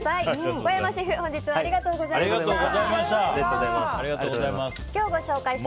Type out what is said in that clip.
小山シェフ本日はありがとうございました。